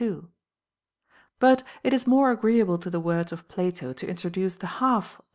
But it is more agreeable to the words of Plato to introduce the half of 384.